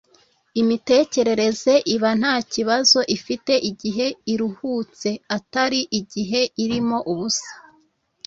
Imitekerereze iba nta kibazo ifite igihe iruhutse - atari igihe irimo ubusa,